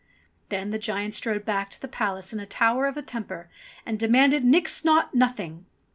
Then the giant strode back to the palace in a tower of a temper, and demanded "Nix Naught Nothing."